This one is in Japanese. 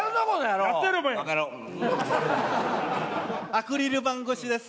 アクリル板越しです。